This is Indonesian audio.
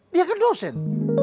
dia kan dosen